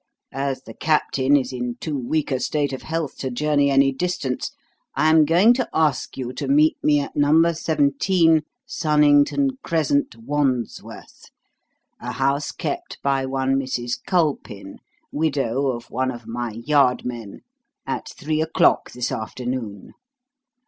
As the Captain is in too weak a state of health to journey any distance, I am going to ask you to meet me at No. 17, Sunnington Crescent, Wandsworth a house kept by one Mrs. Culpin, widow of one of my Yard men, at three o'clock this afternoon.